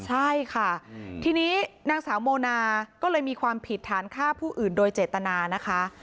ใช่ค่ะทีนี้นางสาวโมนาก็เลยมีความผิดฐานฆ่าผู้อื่นโดยเจตนานะคะ